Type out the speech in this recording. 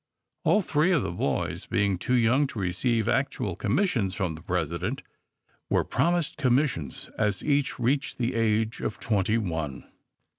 All three of the boys, being too young to receive actual commissions from the President, were promised commissions as each reached the age of twenty one.